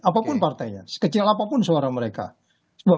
apapun partainya sekecil apapun suara mereka